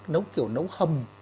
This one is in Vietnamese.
nấu kiểu nấu hầm